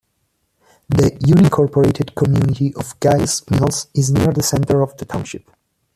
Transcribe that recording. The unincorporated community of Guys Mills is near the center of the township.